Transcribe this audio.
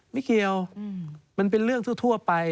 ไม่เกี่ยวมันเป็นเรื่องทั่วไป